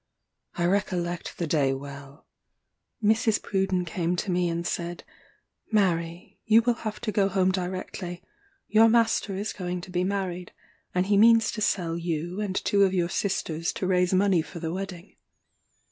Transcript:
I recollect the day well. Mrs. Pruden came to me and said, "Mary, you will have to go home directly; your master is going to be married, and he means to sell you and two of your sisters to raise money for the wedding."